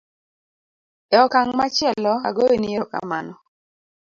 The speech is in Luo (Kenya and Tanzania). e okang' machielo agoyo ni erokamano